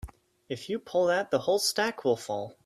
If you pull that the whole stack will fall.